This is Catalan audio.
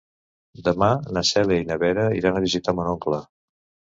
Demà na Cèlia i na Vera iran a visitar mon oncle.